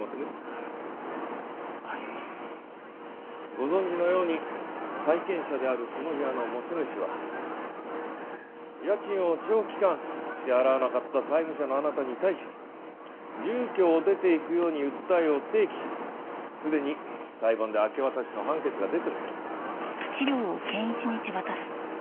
ご存じのように債権者であるこの部屋の持ち主は家賃を長期間支払わなかった債務者のあなたに対し住居を出ていくように訴えを提起しすでに裁判で明け渡しの判決が出てます。